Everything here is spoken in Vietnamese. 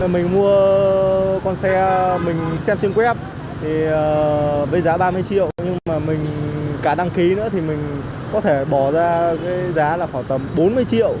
mình mua con xe mình xem trên web thì giá ba mươi triệu nhưng mà mình cả đăng ký nữa thì mình có thể bỏ ra cái giá là khoảng tầm bốn mươi triệu